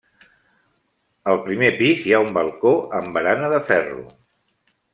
El primer pis hi ha un balcó amb barana de ferro.